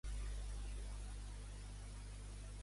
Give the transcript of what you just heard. Es pot buscar Twilight s'ha anat?